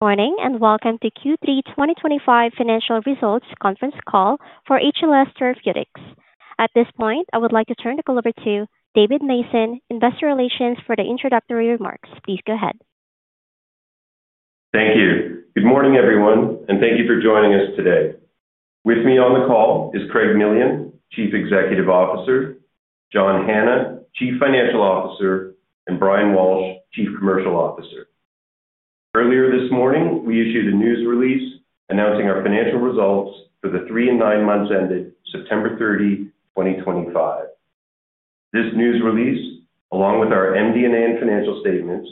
Morning and welcome to Q3 2025 financial results conference call for HLS Therapeutics. At this point, I would like to turn the call over to David Mason, Investor Relations, for the introductory remarks. Please go ahead. Thank you. Good morning, everyone, and thank you for joining us today. With me on the call is Craig Millian, Chief Executive Officer; John Hanna, Chief Financial Officer; and Brian Walsh, Chief Commercial Officer. Earlier this morning, we issued a news release announcing our financial results for the 3 and 9 months ended September 30, 2025. This news release, along with our MD&A and financial statements,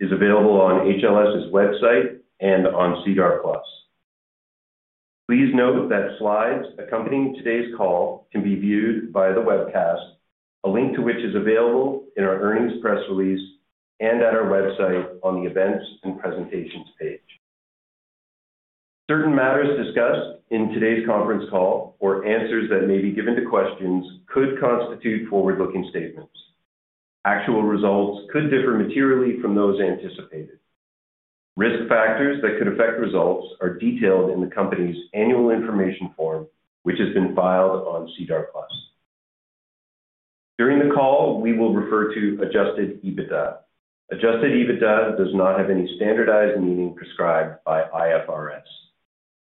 is available on HLS's website and on SEDAR Plus. Please note that slides accompanying today's call can be viewed via the webcast, a link to which is available in our earnings press release and at our website on the events and presentations page. Certain matters discussed in today's conference call, or answers that may be given to questions, could constitute forward-looking statements. Actual results could differ materially from those anticipated. Risk factors that could affect results are detailed in the company's annual information form, which has been filed on SEDAR Plus. During the call, we will refer to Adjusted EBITDA. Adjusted EBITDA does not have any standardized meaning prescribed by IFRS.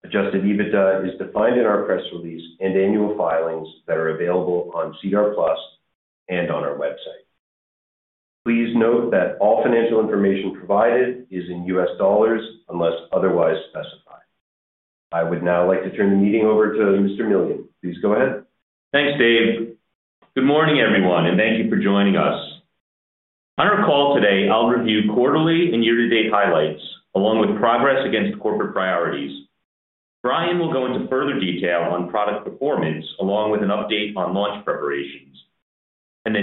Adjusted EBITDA is defined in our press release and annual filings that are available on SEDAR Plus and on our website. Please note that all financial information provided is in U.S. dollars unless otherwise specified. I would now like to turn the meeting over to Mr. Millian. Please go ahead. Thanks, Dave. Good morning, everyone, and thank you for joining us. On our call today, I'll review quarterly and year-to-date highlights, along with progress against corporate priorities. Brian will go into further detail on product performance, along with an update on launch preparations.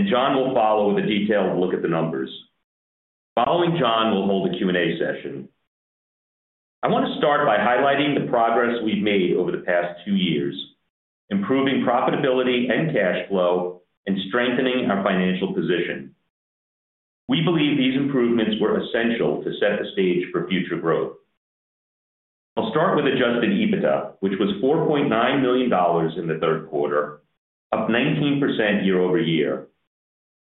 John will follow with a detailed look at the numbers. Following John, we'll hold a Q&A session. I want to start by highlighting the progress we've made over the past 2 years, improving profitability and cash flow, and strengthening our financial position. We believe these improvements were essential to set the stage for future growth. I'll start with Adjusted EBITDA, which was $4.9 million in the third quarter, up 19% year-over-year,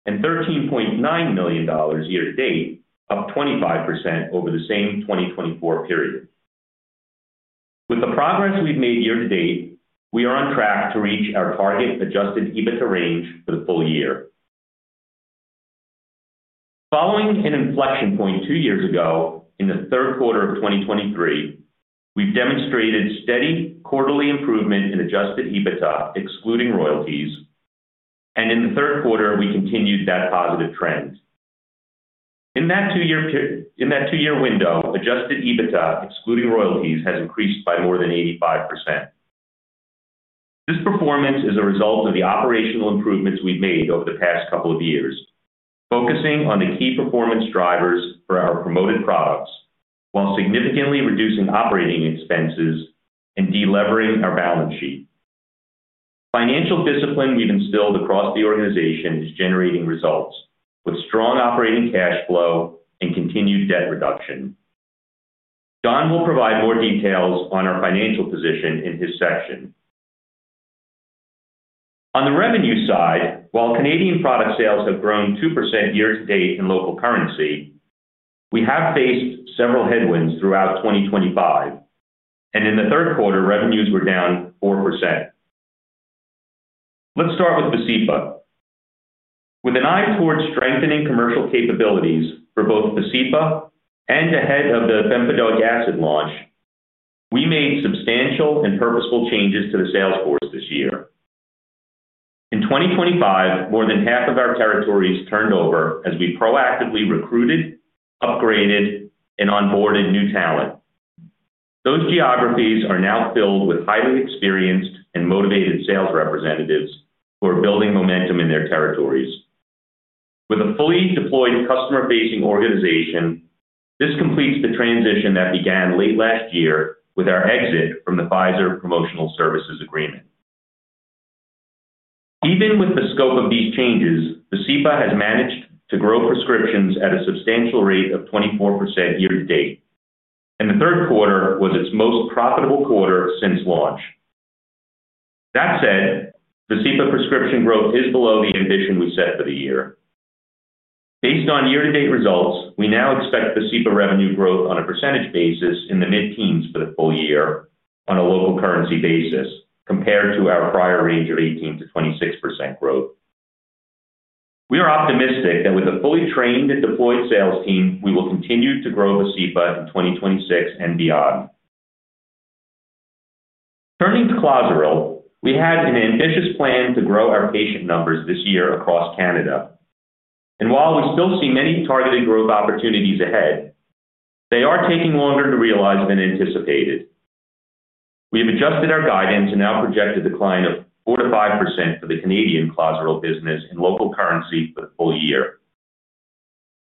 and $13.9 million year-to-date, up 25% over the same 2024 period. With the progress we've made year-to-date, we are on track to reach our target Adjusted EBITDA range for the full year. Following an inflection point 2 years ago in the third quarter of 2023, we've demonstrated steady quarterly improvement in Adjusted EBITDA, excluding royalties. In the third quarter, we continued that positive trend. In that 2 year window, Adjusted EBITDA, excluding royalties, has increased by more than 85%. This performance is a result of the operational improvements we've made over the past couple of years, focusing on the key performance drivers for our promoted products while significantly reducing operating expenses and delevering our balance sheet. Financial discipline we've instilled across the organization is generating results, with strong operating cash flow and continued debt reduction. John will provide more details on our financial position in his section. On the revenue side, while Canadian product sales have grown 2% year-to-date in local currency, we have faced several headwinds throughout 2023, and in the third quarter, revenues were down 4%. Let's start with Pasipa. With an eye towards strengthening commercial capabilities for both Pasipa and ahead of the pempedoic acid launch, we made substantial and purposeful changes to the sales force this year. In 2025, more than half of our territories turned over as we proactively recruited, upgraded, and onboarded new talent. Those geographies are now filled with highly experienced and motivated sales representatives who are building momentum in their territories. With a fully deployed customer-facing organization, this completes the transition that began late last year with our exit from the Pfizer promotional services agreement. Even with the scope of these changes, Pasipa has managed to grow prescriptions at a substantial rate of 24% year-to-date, and the third quarter was its most profitable quarter since launch. That said, Pasipa prescription growth is below the ambition we set for the year. Based on year-to-date results, we now expect Pasipa revenue growth on a percentage basis in the mid-teens for the full year on a local currency basis, compared to our prior range of 18%-26% growth. We are optimistic that with a fully trained and deployed sales team, we will continue to grow Pasipa in 2026 and beyond. Turning to Clozaril, we had an ambitious plan to grow our patient numbers this year across Canada. While we still see many targeted growth opportunities ahead, they are taking longer to realize than anticipated. We have adjusted our guidance and now project a decline of 4%-5% for the Canadian Clozaril business in local currency for the full year.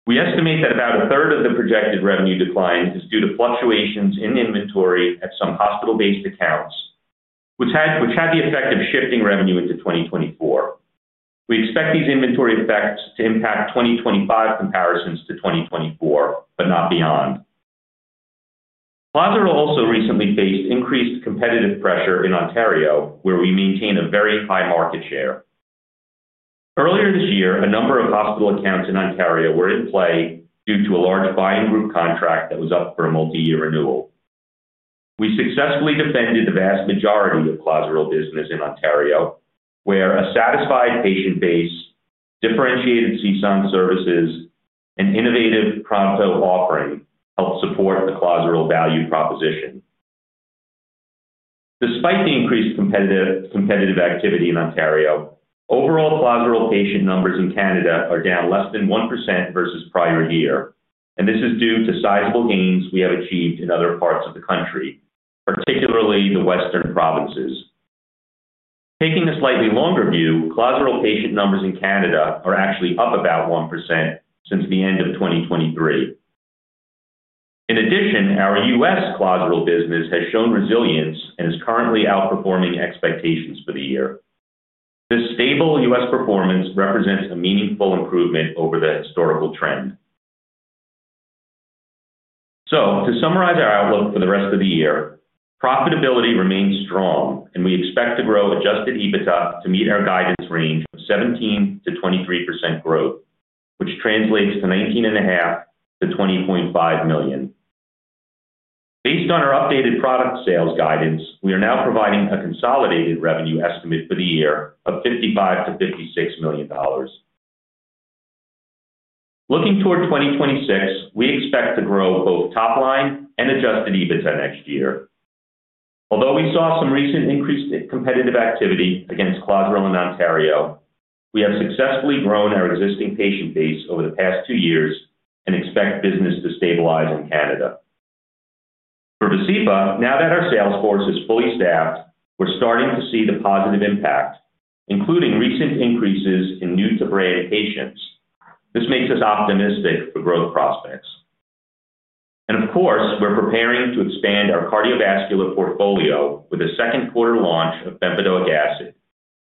We estimate that about a third of the projected revenue decline is due to fluctuations in inventory at some hospital-based accounts, which had the effect of shifting revenue into 2024. We expect these inventory effects to impact 2025 comparisons to 2024, but not beyond. Clozaril also recently faced increased competitive pressure in Ontario, where we maintain a very high market share. Earlier this year, a number of hospital accounts in Ontario were in play due to a large buy-and-group contract that was up for a multi-year renewal. We successfully defended the vast majority of Clozaril business in Ontario, where a satisfied patient base, differentiated CSUN services, and innovative Pronto offering helped support the Clozaril value proposition. Despite the increased competitive activity in Ontario, overall Clozaril patient numbers in Canada are down less than 1% versus prior year, and this is due to sizable gains we have achieved in other parts of the country, particularly the Western provinces. Taking a slightly longer view, Clozaril patient numbers in Canada are actually up about 1% since the end of 2023. In addition, our U.S. Clozaril business has shown resilience and is currently outperforming expectations for the year. This stable U.S. performance represents a meaningful improvement over the historical trend. To summarize our outlook for the rest of the year, profitability remains strong, and we expect to grow Adjusted EBITDA to meet our guidance range of 17%-23% growth, which translates to $19.5-$20.5 million. Based on our updated product sales guidance, we are now providing a consolidated revenue estimate for the year of $55-$56 million. Looking toward 2026, we expect to grow both top-line and Adjusted EBITDA next year. Although we saw some recent increased competitive activity against Clozaril in Ontario, we have successfully grown our existing patient base over the past 2 years and expect business to stabilize in Canada. For Pasipa, now that our sales force is fully staffed, we're starting to see the positive impact, including recent increases in new-to-brand patients. This makes us optimistic for growth prospects. Of course, we're preparing to expand our cardiovascular portfolio with a second quarter launch of bempedoic acid,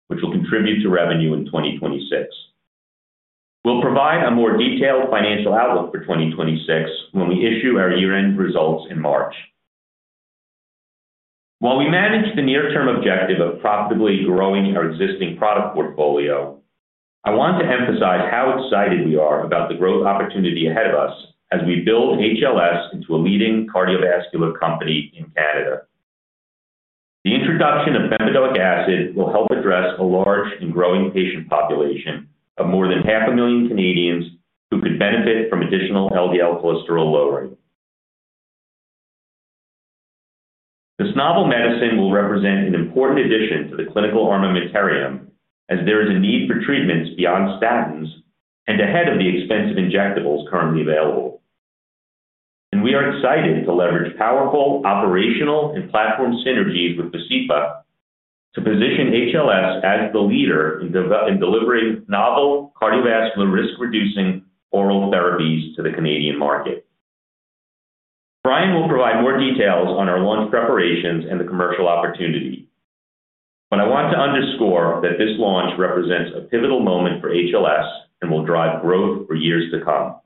which will contribute to revenue in 2026. We'll provide a more detailed financial outlook for 2026 when we issue our year-end results in March. While we manage the near-term objective of profitably growing our existing product portfolio, I want to emphasize how excited we are about the growth opportunity ahead of us as we build HLS into a leading cardiovascular company in Canada. The introduction of bempedoic acid will help address a large and growing patient population of more than 500,000 Canadians who could benefit from additional LDL cholesterol lowering. This novel medicine will represent an important addition to the clinical armamentarium, as there is a need for treatments beyond statins and ahead of the expensive injectables currently available. We are excited to leverage powerful operational and platform synergies with Pasipa to position HLS as the leader in delivering novel cardiovascular risk-reducing oral therapies to the Canadian market. Brian will provide more details on our launch preparations and the commercial opportunity, but I want to underscore that this launch represents a pivotal moment for HLS and will drive growth for years to come.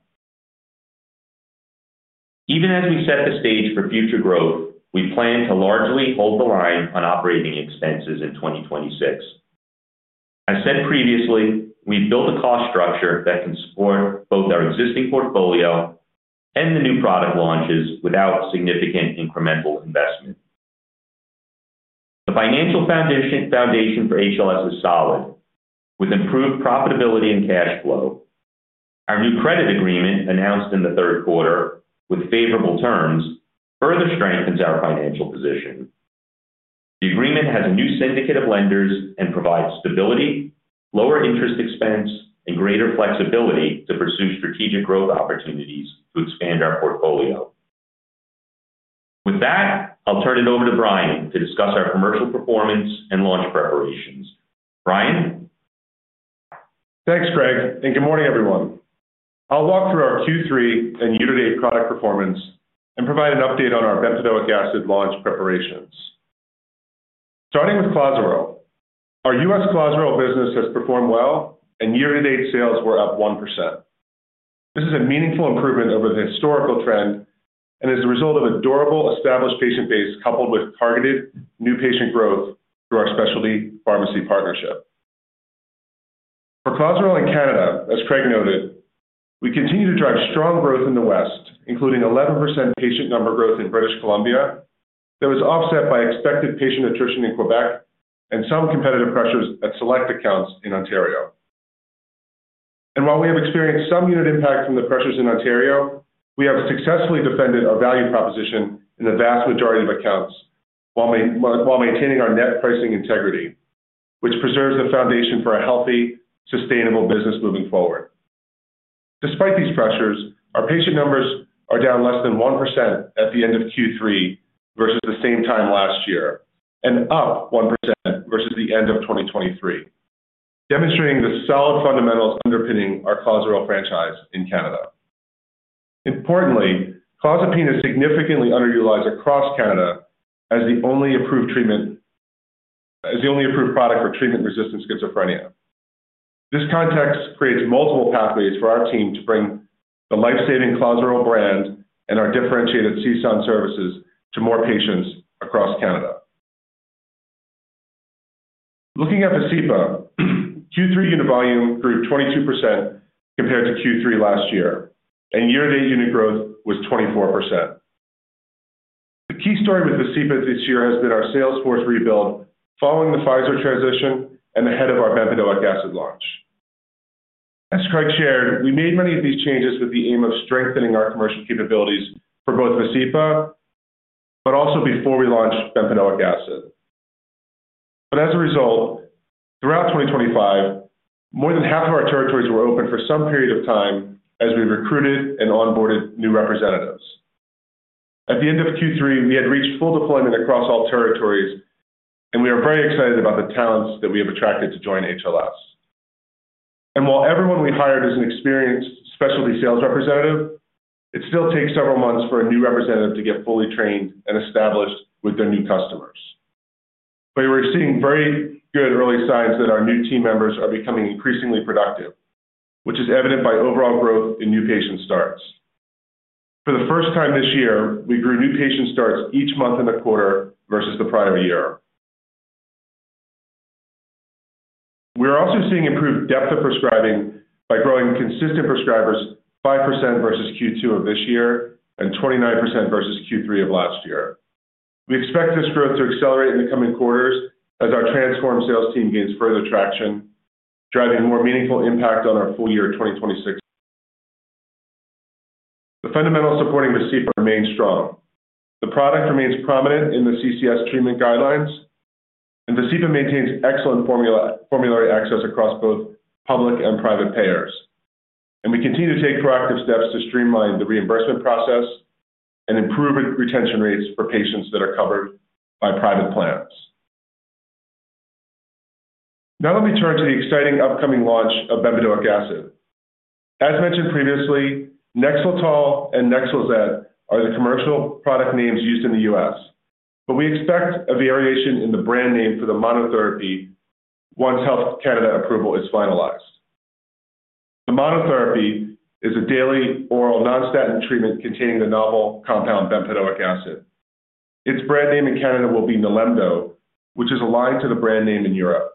Even as we set the stage for future growth, we plan to largely hold the line on operating expenses in 2026. As said previously, we've built a cost structure that can support both our existing portfolio and the new product launches without significant incremental investment. The financial foundation for HLS is solid, with improved profitability and cash flow. Our new credit agreement announced in the third quarter with favorable terms further strengthens our financial position. The agreement has a new syndicate of lenders and provides stability, lower interest expense, and greater flexibility to pursue strategic growth opportunities to expand our portfolio. With that, I'll turn it over to Brian to discuss our commercial performance and launch preparations. Brian? Thanks, Craig, and good morning, everyone. I'll walk through our Q3 and year-to-date product performance and provide an update on our bempedoic acid launch preparations. Starting with Clozaril, our U.S. Clozaril business has performed well, and year-to-date sales were up 1%. This is a meaningful improvement over the historical trend and is the result of a durable established patient base coupled with targeted new patient growth through our specialty pharmacy partnership. For Clozaril in Canada, as Craig noted, we continue to drive strong growth in the West, including 11% patient number growth in British Columbia. That was offset by expected patient attrition in Quebec and some competitive pressures at select accounts in Ontario. While we have experienced some unit impact from the pressures in Ontario, we have successfully defended our value proposition in the vast majority of accounts while maintaining our net pricing integrity, which preserves the foundation for a healthy, sustainable business moving forward. Despite these pressures, our patient numbers are down less than 1% at the end of Q3 versus the same time last year and up 1% versus the end of 2023, demonstrating the solid fundamentals underpinning our Clozaril franchise in Canada. Importantly, Clozapine is significantly underutilized across Canada as the only approved product for treatment-resistant schizophrenia. This context creates multiple pathways for our team to bring the lifesaving Clozaril brand and our differentiated CSUN services to more patients across Canada. Looking at Pasipa, Q3 unit volume grew 22% compared to Q3 last year, and year-to-date unit growth was 24%. The key story with Pasipa this year has been our sales force rebuild following the Pfizer transition and ahead of our bempedoic acid launch. As Craig shared, we made many of these changes with the aim of strengthening our commercial capabilities for both Pasipa, but also before we launched bempedoic acid. As a result, throughout 2023, more than half of our territories were open for some period of time as we recruited and onboarded new representatives. At the end of Q3, we had reached full deployment across all territories, and we are very excited about the talents that we have attracted to join HLS. While everyone we hired is an experienced specialty sales representative, it still takes several months for a new representative to get fully trained and established with their new customers. We are seeing very good early signs that our new team members are becoming increasingly productive, which is evident by overall growth in new patient starts. For the first time this year, we grew new patient starts each month in the quarter versus the prior year. We are also seeing improved depth of prescribing by growing consistent prescribers 5% versus Q2 of this year and 29% versus Q3 of last year. We expect this growth to accelerate in the coming quarters as our transform sales team gains further traction, driving a more meaningful impact on our full year 2026. The fundamentals supporting Pasipa remain strong. The product remains prominent in the CCS treatment guidelines, and Pasipa maintains excellent formulary access across both public and private payers. We continue to take proactive steps to streamline the reimbursement process and improve retention rates for patients that are covered by private plans. Now let me turn to the exciting upcoming launch of bempedoic acid. As mentioned previously, Nexletol and NexleZed are the commercial product names used in the U.S., but we expect a variation in the brand name for the monotherapy once Health Canada approval is finalized. The monotherapy is a daily oral non-statin treatment containing the novel compound bempedoic acid. Its brand name in Canada will be Nilembo, which is aligned to the brand name in Europe.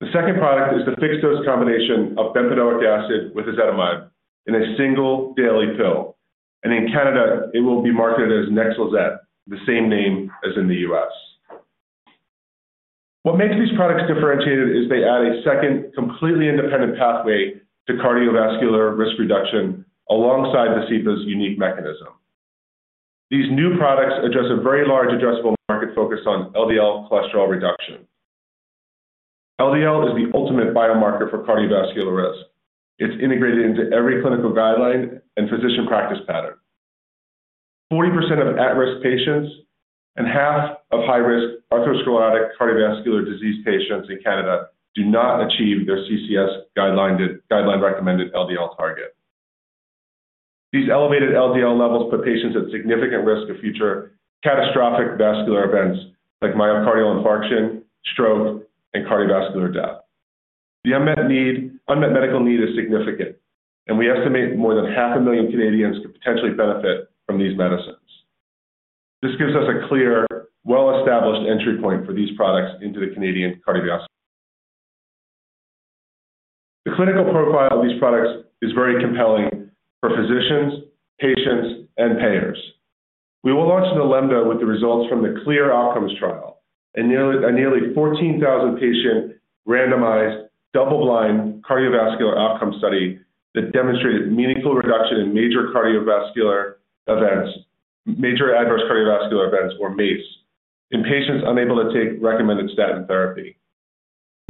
The second product is the fixed-dose combination of bempedoic acid with ezetimibe in a single daily pill, and in Canada, it will be marketed as NexleZed, the same name as in the U.S. What makes these products differentiated is they add a second completely independent pathway to cardiovascular risk reduction alongside Pasipa's unique mechanism. These new products address a very large addressable market focused on LDL cholesterol reduction. LDL is the ultimate biomarker for cardiovascular risk. It's integrated into every clinical guideline and physician practice pattern. 40% of at-risk patients and half of high-risk atherosclerotic cardiovascular disease patients in Canada do not achieve their CCS guideline-recommended LDL target. These elevated LDL levels put patients at significant risk of future catastrophic vascular events like myocardial infarction, stroke, and cardiovascular death. The unmet medical need is significant, and we estimate more than 500,000 Canadians could potentially benefit from these medicines. This gives us a clear, well-established entry point for these products into the Canadian cardiovascular system. The clinical profile of these products is very compelling for physicians, patients, and payers. We will launch Nilembo with the results from the CLEAR outcomes trial, a nearly 14,000-patient randomized double-blind cardiovascular outcome study that demonstrated meaningful reduction in major adverse cardiovascular events, or MACE, in patients unable to take recommended statin therapy.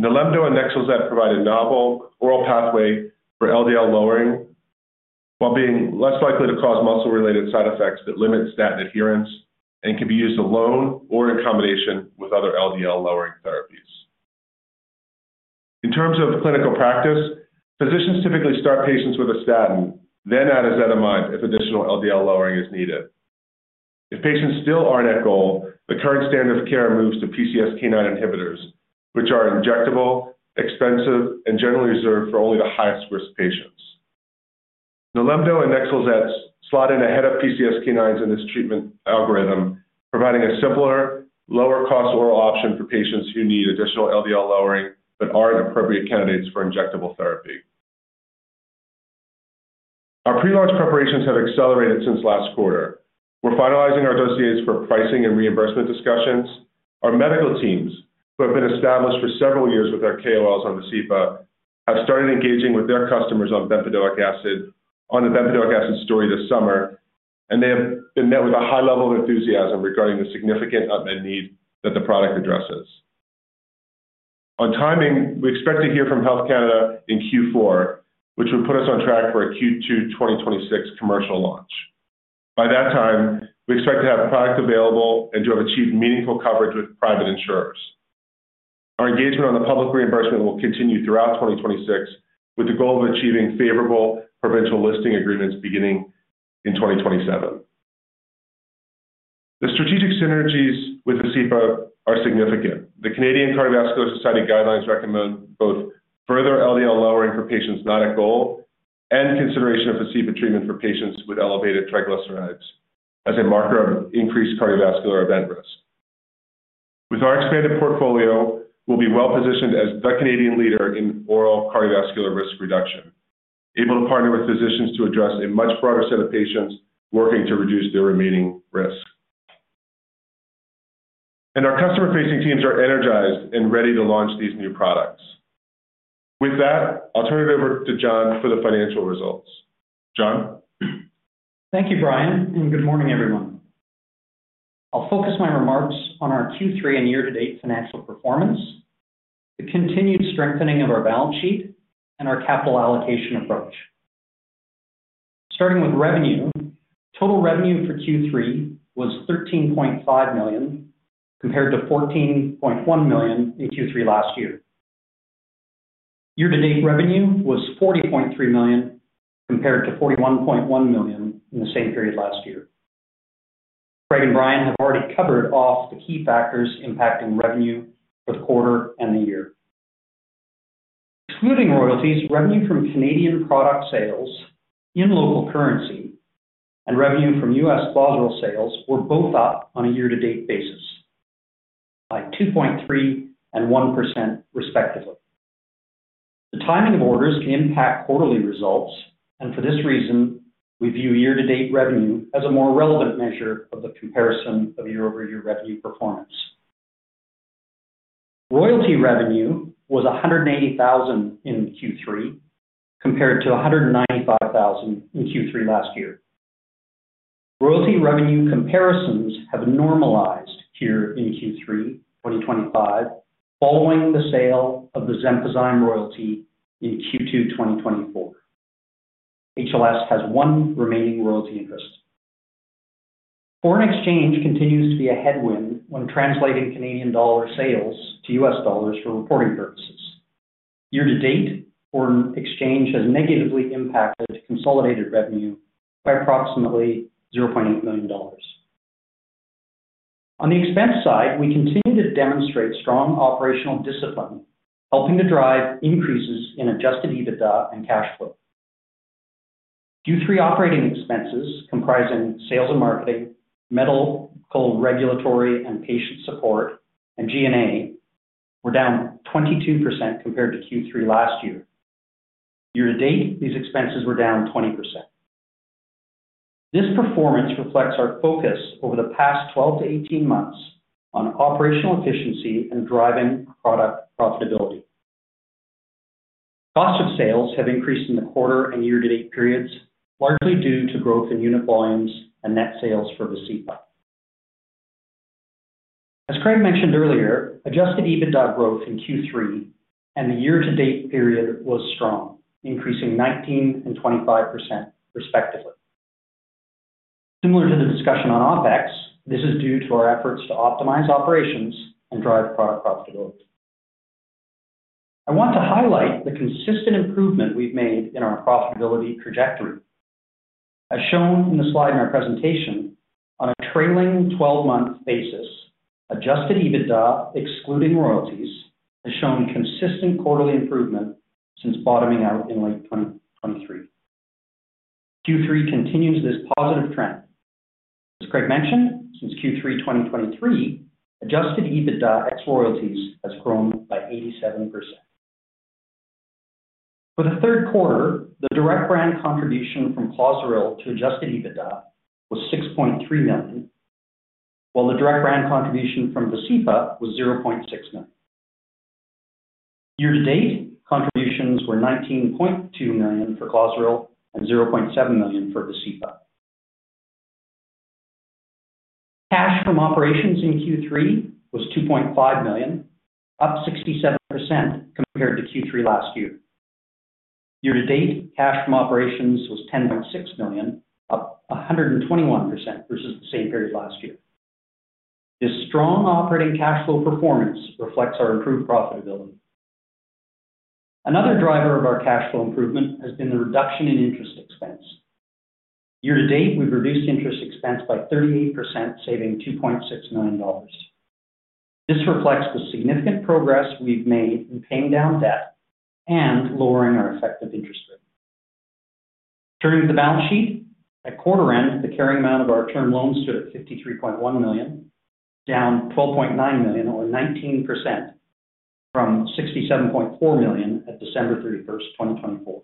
Nilembo and NexleZed provide a novel oral pathway for LDL lowering while being less likely to cause muscle-related side effects that limit statin adherence and can be used alone or in combination with other LDL-lowering therapies. In terms of clinical practice, physicians typically start patients with a statin, then add ezetimibe if additional LDL lowering is needed. If patients still aren't at goal, the current standard of care moves to PCSK9 inhibitors, which are injectable, expensive, and generally reserved for only the highest-risk patients. Nilembo and NexleZed slot in ahead of PCSK9s in this treatment algorithm, providing a simpler, lower-cost oral option for patients who need additional LDL lowering but aren't appropriate candidates for injectable therapy. Our pre-launch preparations have accelerated since last quarter. We're finalizing our dossiers for pricing and reimbursement discussions. Our medical teams, who have been established for several years with our KOLs on Pasipa, have started engaging with their customers on bempedoic acid story this summer, and they have been met with a high level of enthusiasm regarding the significant unmet need that the product addresses. On timing, we expect to hear from Health Canada in Q4, which would put us on track for a Q2 2026 commercial launch. By that time, we expect to have product available and to have achieved meaningful coverage with private insurers. Our engagement on the public reimbursement will continue throughout 2026, with the goal of achieving favorable provincial listing agreements beginning in 2027. The strategic synergies with Pasipa are significant. The Canadian Cardiovascular Society guidelines recommend both further LDL lowering for patients not at goal and consideration of Pasipa treatment for patients with elevated triglycerides as a marker of increased cardiovascular event risk. With our expanded portfolio, we'll be well-positioned as the Canadian leader in oral cardiovascular risk reduction, able to partner with physicians to address a much broader set of patients working to reduce their remaining risk. Our customer-facing teams are energized and ready to launch these new products. With that, I'll turn it over to John for the financial results. John? Thank you, Brian, and good morning, everyone. I'll focus my remarks on our Q3 and year-to-date financial performance, the continued strengthening of our balance sheet, and our capital allocation approach. Starting with revenue, total revenue for Q3 was 13.5 million compared to $14.1 million in Q3 last year. Year-to-date revenue was 40.3 million compared to 41.1 million in the same period last year. Craig and Brian have already covered off the key factors impacting revenue for the quarter and the year. Excluding royalties, revenue from Canadian product sales in local currency and revenue from U.S. Clozaril sales were both up on a year-to-date basis by 2.3% and 1%, respectively. The timing of orders can impact quarterly results, and for this reason, we view year-to-date revenue as a more relevant measure of the comparison of year-over-year revenue performance. Royalty revenue was 180,000 in Q3 compared to 195,000 in Q3 last year. Royalty revenue comparisons have normalized here in Q3 2025 following the sale of the Zempezime royalty in Q2 2024. HLS has one remaining royalty interest. Foreign exchange continues to be a headwind when translating Canadian dollar sales to U.S. dollars for reporting purposes. Year-to-date, foreign exchange has negatively impacted consolidated revenue by approximately $0.8 million. On the expense side, we continue to demonstrate strong operational discipline, helping to drive increases in Adjusted EBITDA and cash flow. Q3 operating expenses comprising sales and marketing, medical regulatory and patient support, and G&A were down 22% compared to Q3 last year. Year-to-date, these expenses were down 20%. This performance reflects our focus over the past 12 to 18 months on operational efficiency and driving product profitability. Cost of sales have increased in the quarter and year-to-date periods, largely due to growth in unit volumes and net sales for Pasipa. As Craig mentioned earlier, Adjusted EBITDA growth in Q3 and the year-to-date period was strong, increasing 19% and 25%, respectively. Similar to the discussion on OpEx, this is due to our efforts to optimize operations and drive product profitability. I want to highlight the consistent improvement we've made in our profitability trajectory. As shown in the slide in our presentation, on a trailing 12-month basis, Adjusted EBITDA, excluding royalties, has shown consistent quarterly improvement since bottoming out in late 2023. Q3 continues this positive trend. As Craig mentioned, since Q3 2023, Adjusted EBITDA ex royalties has grown by 87%. For the third quarter, the direct brand contribution from Clozaril to Adjusted EBITDA was 6.3 million, while the direct brand contribution from Pasipa was 0.6 million. Year-to-date, contributions were 19.2 million for Clozaril and 0.7 million for Pasipa. Cash from operations in Q3 was 2.5 million, up 67% compared to Q3 last year. Year-to-date, cash from operations was 10.6 million, up 121% versus the same period last year. This strong operating cash flow performance reflects our improved profitability. Another driver of our cash flow improvement has been the reduction in interest expense. Year-to-date, we've reduced interest expense by 38%, saving $2.6 million. This reflects the significant progress we've made in paying down debt and lowering our effective interest rate. Turning to the balance sheet, at quarter end, the carrying amount of our term loans stood at 53.1 million, down 12.9 million, or 19%, from 67.4 million at December 31, 2024,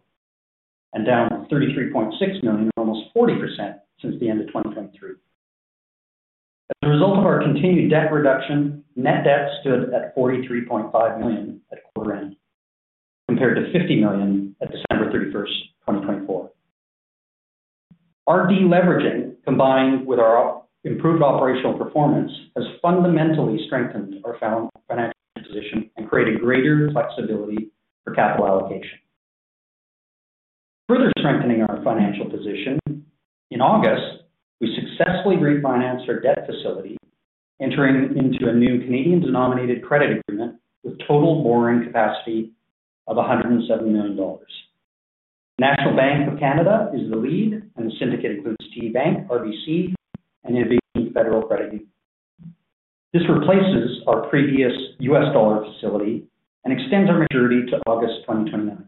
and down 33.6 million, or almost 40%, since the end of 2023. As a result of our continued debt reduction, net debt stood at 43.5 million at quarter end, compared to 50 million at December 31, 2024. Our deleveraging, combined with our improved operational performance, has fundamentally strengthened our financial position and created greater flexibility for capital allocation. Further strengthening our financial position, in August, we successfully refinanced our debt facility, entering into a new Canadian-denominated credit agreement with total borrowing capacity of $107 million. National Bank of Canada is the lead, and the syndicate includes TD Bank, RBC, and Innovation Federal Credit Union. This replaces our previous U.S. dollar facility and extends our maturity to August 2029.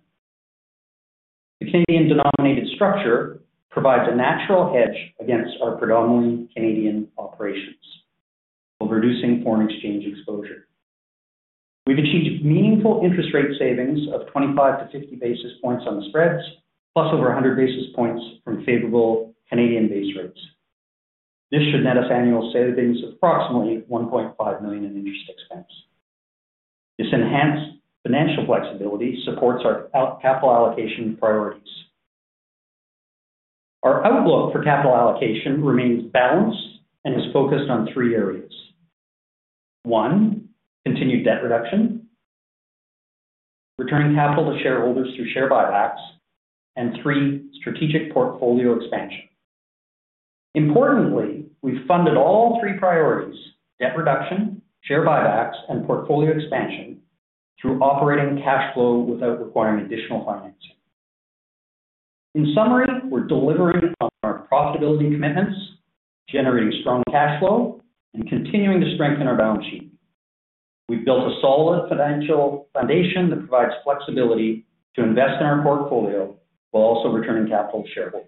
The Canadian-denominated structure provides a natural hedge against our predominantly Canadian operations while reducing foreign exchange exposure. We've achieved meaningful interest rate savings of 25-50 basis points on spreads, plus over 100 basis points from favorable Canadian base rates. This should net us annual savings of approximately 1.5 million in interest expense. This enhanced financial flexibility supports our capital allocation priorities. Our outlook for capital allocation remains balanced and is focused on 3 areas: 1, continued debt reduction, returning capital to shareholders through share buybacks, and 3, strategic portfolio expansion. Importantly, we've funded all 3 priorities: debt reduction, share buybacks, and portfolio expansion through operating cash flow without requiring additional financing. In summary, we're delivering on our profitability commitments, generating strong cash flow, and continuing to strengthen our balance sheet. We've built a solid financial foundation that provides flexibility to invest in our portfolio while also returning capital to shareholders.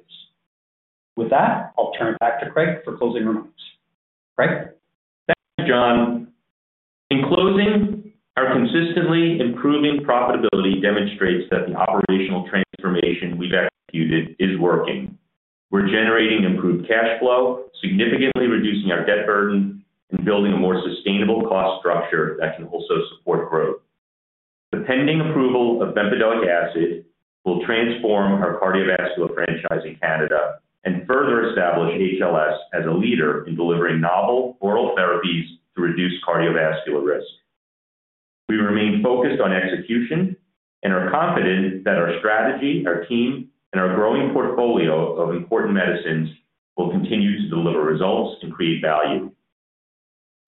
With that, I'll turn it back to Craig for closing remarks. Craig? Thank you, John. In closing, our consistently improving profitability demonstrates that the operational transformation we've executed is working. We're generating improved cash flow, significantly reducing our debt burden, and building a more sustainable cost structure that can also support growth. The pending approval of bempedoic acid will transform our cardiovascular franchise in Canada and further establish HLS as a leader in delivering novel oral therapies to reduce cardiovascular risk. We remain focused on execution and are confident that our strategy, our team, and our growing portfolio of important medicines will continue to deliver results and create value.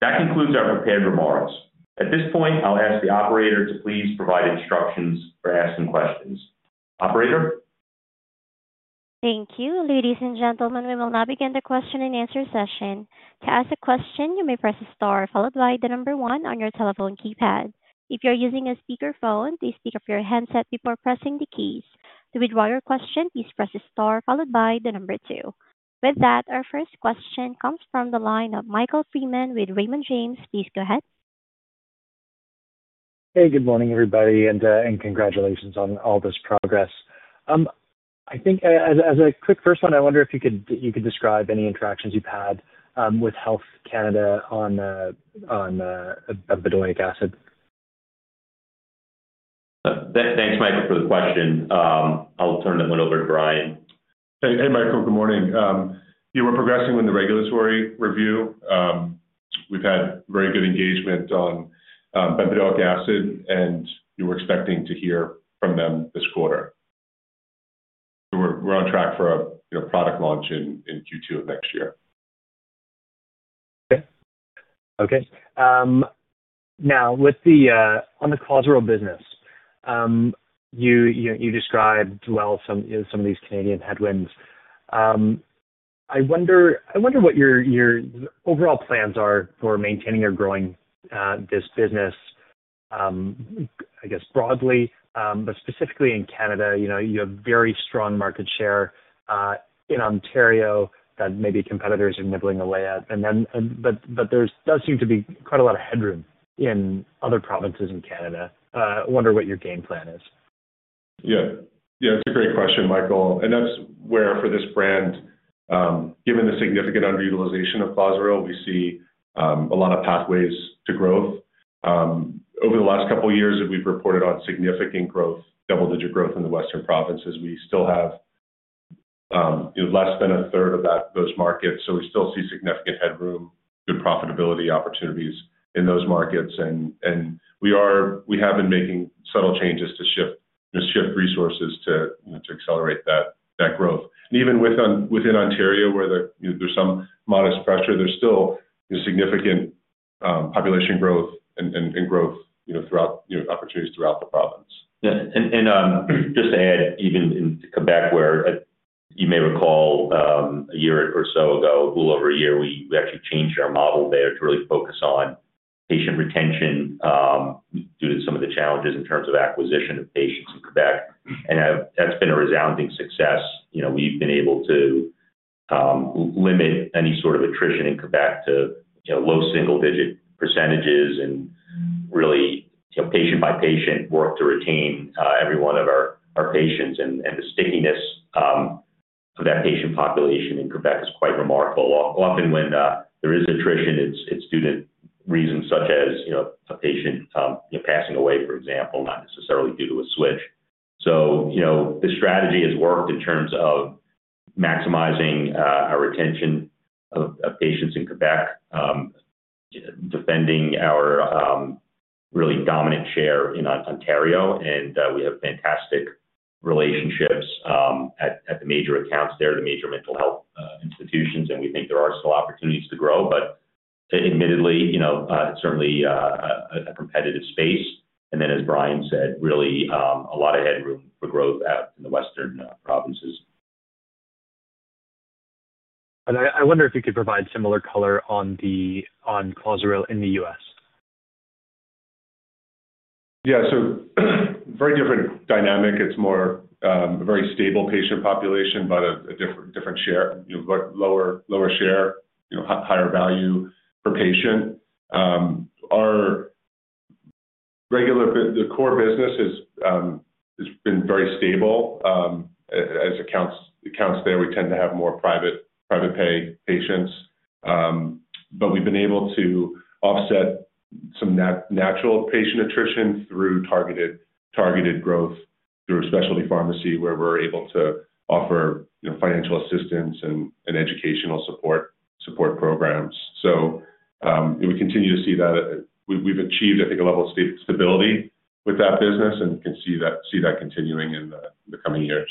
That concludes our prepared remarks. At this point, I'll ask the operator to please provide instructions for asking questions. Operator? Thank you. Ladies and gentlemen, we will now begin the question-and-answer session. To ask a question, you may press the star followed by the number 1 on your telephone keypad. If you're using a speakerphone, please speak up your headset before pressing the keys. To withdraw your question, please press the star followed by the number 2. With that, our first question comes from the line of Michael Freeman with Raymond James. Please go ahead. Hey, good morning, everybody, and congratulations on all this progress. I think as a quick first one, I wonder if you could describe any interactions you've had with Health Canada on bempedoic acid. Thanks, Michael, for the question. I'll turn it over to Brian. Hey, Michael, good morning. You were progressing with the regulatory review. We've had very good engagement on bempedoic acid, and you were expecting to hear from them this quarter. We're on track for a product launch in Q2 of next year. Okay. Okay. Now, on the Clozaril business, you described well some of these Canadian headwinds. I wonder what your overall plans are for maintaining or growing this business, I guess, broadly, but specifically in Canada. You have a very strong market share in Ontario that maybe competitors are nibbling away at, but there does seem to be quite a lot of headroom in other provinces in Canada. I wonder what your game plan is. Yeah. Yeah, it's a great question, Michael. That's where for this brand, given the significant underutilization of Clozaril, we see a lot of pathways to growth. Over the last couple of years, we've reported on significant growth, double-digit growth in the Western provinces. We still have less than a third of those markets, so we still see significant headroom, good profitability opportunities in those markets. We have been making subtle changes to shift resources to accelerate that growth. Even within Ontario, where there's some modest pressure, there's still significant population growth and growth opportunities throughout the province. Yeah. And just to add, even in Quebec, where you may recall a year or so ago, a little over a year, we actually changed our model there to really focus on patient retention due to some of the challenges in terms of acquisition of patients in Quebec. That has been a resounding success. We have been able to limit any sort of attrition in Quebec to low single-digit % and really patient-by-patient work to retain everyone of our patients. The stickiness of that patient population in Quebec is quite remarkable. Often when there is attrition, it is due to reasons such as a patient passing away, for example, not necessarily due to a switch. The strategy has worked in terms of maximizing our retention of patients in Quebec, defending our really dominant share in Ontario. We have fantastic relationships at the major accounts there, the major mental health institutions, and we think there are still opportunities to grow. Admittedly, it is certainly a competitive space. As Brian said, really a lot of headroom for growth out in the Western provinces. I wonder if you could provide similar color on Clozaril in the U.S. Yeah. Very different dynamic. It's a very stable patient population, but a different share, lower share, higher value per patient. Our regular core business has been very stable. As accounts there, we tend to have more private pay patients. We've been able to offset some natural patient attrition through targeted growth through specialty pharmacy, where we're able to offer financial assistance and educational support programs. We continue to see that we've achieved, I think, a level of stability with that business, and we can see that continuing in the coming years.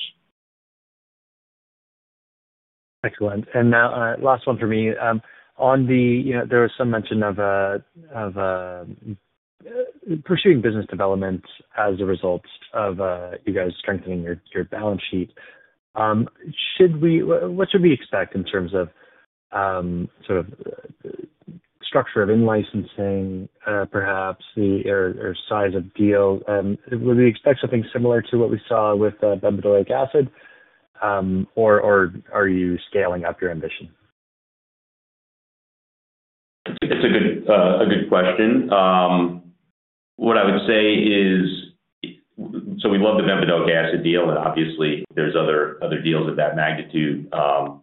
Excellent. Now, last one for me. There was some mention of pursuing business development as a result of you guys strengthening your balance sheet. What should we expect in terms of sort of structure of in-licensing, perhaps, or size of deal? Would we expect something similar to what we saw with bempedoic acid, or are you scaling up your ambition? It's a good question. What I would say is, so we love the bempedoic acid deal, and obviously, there's other deals of that magnitude.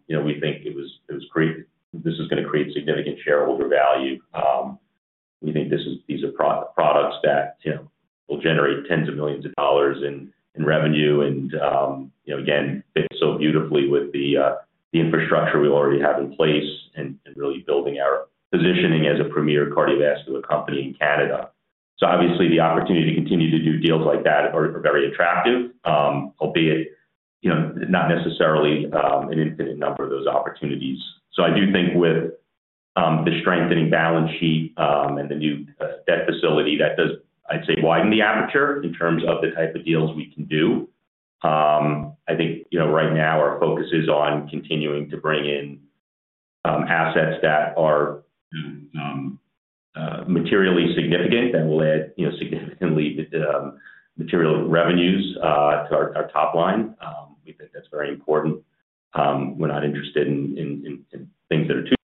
We think this is going to create significant shareholder value. We think these are products that will generate tens of millions of dollars in revenue and, again, fit so beautifully with the infrastructure we already have in place and really building our positioning as a premier cardiovascular company in Canada. Obviously, the opportunity to continue to do deals like that are very attractive, albeit not necessarily an infinite number of those opportunities. I do think with the strengthening balance sheet and the new debt facility, that does, I'd say, widen the aperture in terms of the type of deals we can do. I think right now, our focus is on continuing to bring in assets that are materially significant, that will add significantly material revenues to our top line. We think that's very important. We're not interested in things that are too.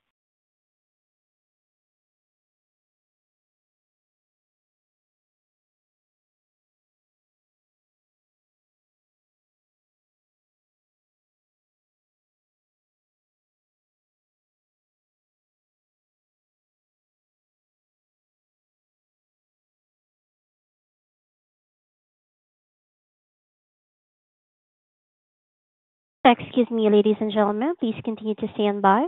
Excuse me, ladies and gentlemen. Please continue to stand by.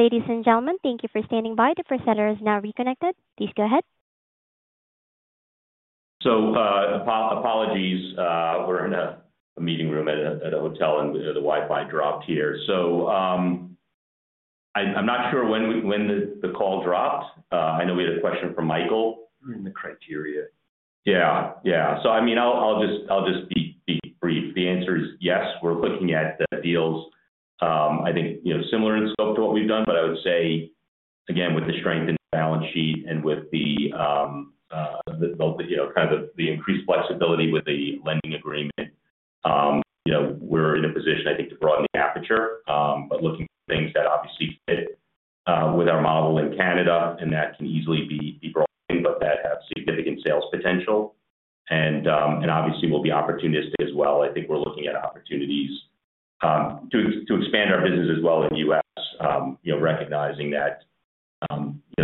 Ladies and gentlemen, thank you for standing by. The presenter is now reconnected. Please go ahead. Apologies. We're in a meeting room at a hotel, and the Wi-Fi dropped here. I'm not sure when the call dropped. I know we had a question from Michael. You're in the criteria. Yeah. Yeah. So I mean, I'll just be brief. The answer is yes. We're looking at deals, I think, similar in scope to what we've done, but I would say, again, with the strengthened balance sheet and with kind of the increased flexibility with the lending agreement, we're in a position, I think, to broaden the aperture. Looking at things that obviously fit with our model in Canada, and that can easily be broadened, but that have significant sales potential. Obviously, we'll be opportunistic as well. I think we're looking at opportunities to expand our business as well in the U.S., recognizing that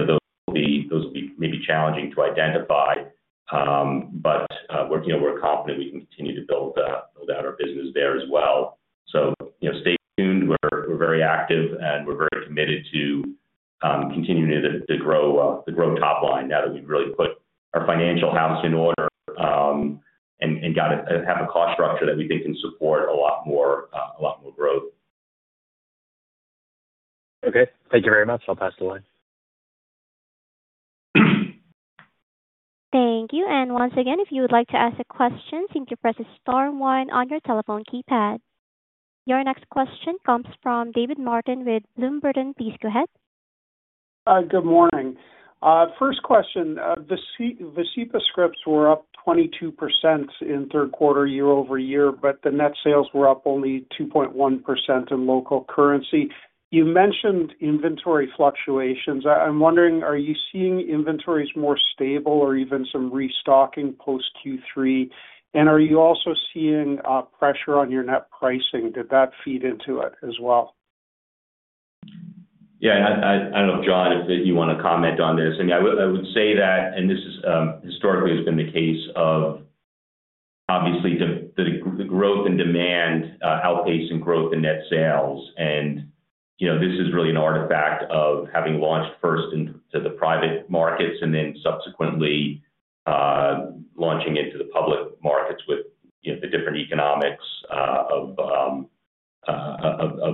those will be maybe challenging to identify. We're confident we can continue to build out our business there as well. Stay tuned. We're very active, and we're very committed to continuing to grow top line now that we've really put our financial house in order and have a cost structure that we think can support a lot more growth. Okay. Thank you very much. I'll pass the line. Thank you. If you would like to ask a question, simply press the star 1 on your telephone keypad. Your next question comes from David Martin with Bloomberg. Please go ahead. Good morning. First question. The CEPA scripts were up 22% in third quarter year over year, but the net sales were up only 2.1% in local currency. You mentioned inventory fluctuations. I'm wondering, are you seeing inventories more stable or even some restocking post Q3? Are you also seeing pressure on your net pricing? Did that feed into it as well? Yeah. I don't know, John, if you want to comment on this. I mean, I would say that, and this has historically been the case, obviously the growth and demand outpacing growth in net sales. This is really an artifact of having launched first into the private markets and then subsequently launching into the public markets with the different economics of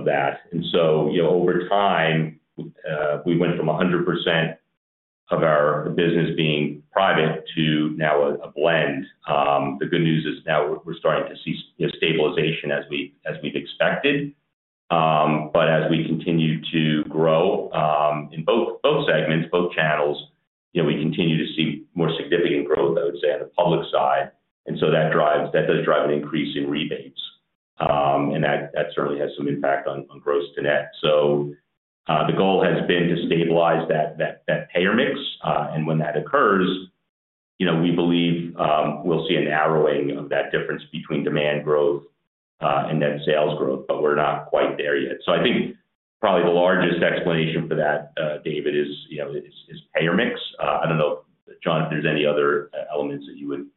that. Over time, we went from 100% of our business being private to now a blend. The good news is now we're starting to see stabilization as we've expected. As we continue to grow in both segments, both channels, we continue to see more significant growth, I would say, on the public side. That does drive an increase in rebates. That certainly has some impact on gross to net. The goal has been to stabilize that payer mix. When that occurs, we believe we'll see a narrowing of that difference between demand growth and net sales growth, but we're not quite there yet. I think probably the largest explanation for that, David, is payer mix. I don't know, John, if there's any other elements that you would.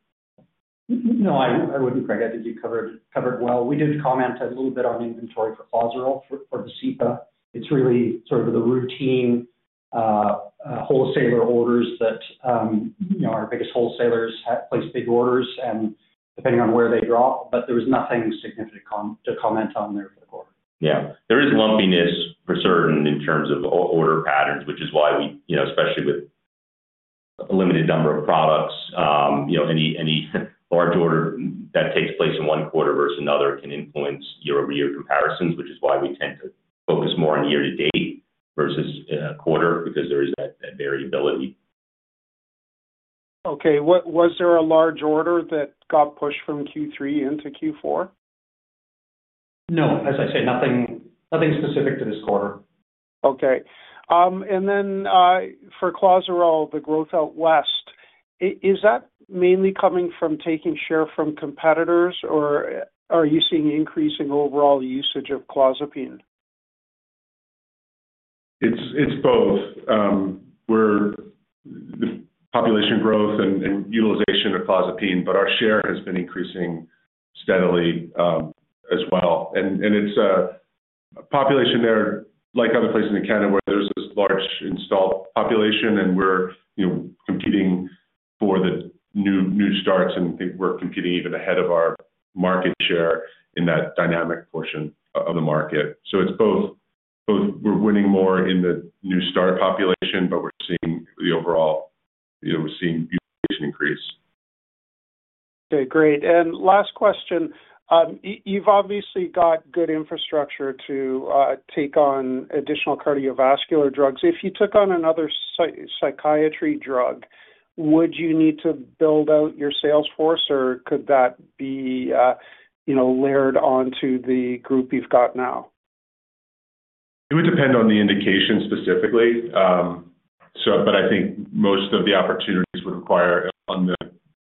No, I wouldn't correct that. I think you covered it well. We did comment a little bit on inventory for Clozaril for the CEPA. It's really sort of the routine wholesaler orders that our biggest wholesalers place big orders, and depending on where they drop. There was nothing significant to comment on there for the quarter. Yeah. There is lumpiness for certain in terms of order patterns, which is why we, especially with a limited number of products, any large order that takes place in 1 quarter versus another can influence year-over-year comparisons, which is why we tend to focus more on year-to-date versus quarter because there is that variability. Okay. Was there a large order that got pushed from Q3 into Q4? No. As I say, nothing specific to this quarter. Okay. For Clozaril, the growth out west, is that mainly coming from taking share from competitors, or are you seeing increasing overall usage of clozapine? It's both. We're population growth and utilization of clozapine, but our share has been increasing steadily as well. It's a population there, like other places in Canada, where there's this large installed population, and we're competing for the new starts. I think we're competing even ahead of our market share in that dynamic portion of the market. It's both we're winning more in the new start population, but we're seeing the overall, we're seeing utilization increase. Okay. Great. Last question. You've obviously got good infrastructure to take on additional cardiovascular drugs. If you took on another psychiatry drug, would you need to build out your salesforce, or could that be layered onto the group you've got now? It would depend on the indication specifically. I think most of the opportunities on the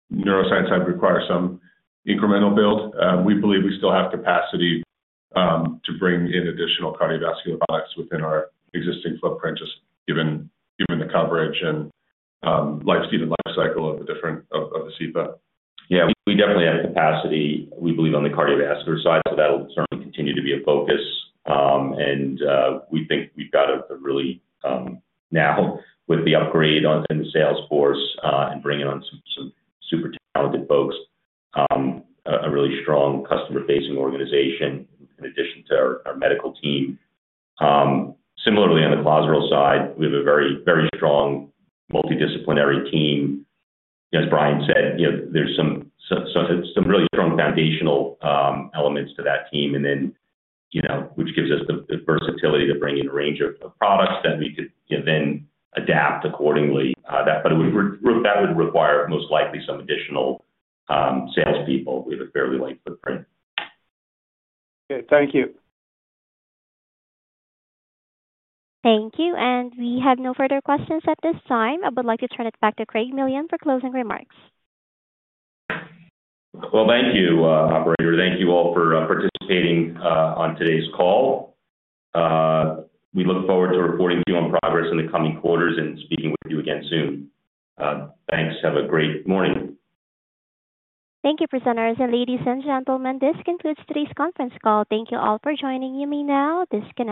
neuroscience side would require some incremental build. We believe we still have capacity to bring in additional cardiovascular products within our existing footprint, just given the coverage and life cycle of the CEPA. Yeah. We definitely have capacity, we believe, on the cardiovascular side. That'll certainly continue to be a focus. We think we've got a really, now with the upgrade in the salesforce and bringing on some super talented folks, a really strong customer-facing organization in addition to our medical team. Similarly, on the Clozaril side, we have a very strong multidisciplinary team. As Brian said, there's some really strong foundational elements to that team, which gives us the versatility to bring in a range of products that we could then adapt accordingly. That would require most likely some additional salespeople. We have a fairly light footprint. Okay. Thank you. Thank you. We have no further questions at this time. I would like to turn it back to Craig Millian for closing remarks. Thank you, operator. Thank you all for participating on today's call. We look forward to reporting to you on progress in the coming quarters and speaking with you again soon. Thanks. Have a great morning. Thank you, presenters. Ladies and gentlemen, this concludes today's conference call. Thank you all for joining me now. This con.